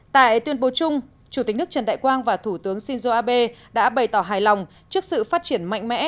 tại tuyên bố chung chủ tịch nước trần đại quang và thủ tướng shinzo abe đã bày tỏ hài lòng trước sự phát triển mạnh mẽ